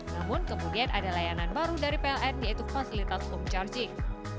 namun kemudian ada layanan baru dari pln yaitu fasilitas home charging